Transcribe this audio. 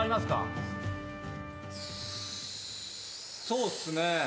そうっすね。